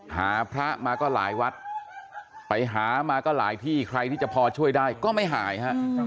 หาพระมาก็หลายวัดไปหามาก็หลายที่ใครที่จะพอช่วยได้ก็ไม่หายฮะ